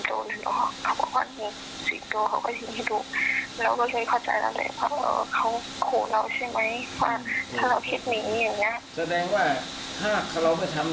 ใช่ค่ะกลัวเหมือนกันกลัวว่าเขาจะเอายามาฉีดเราไหม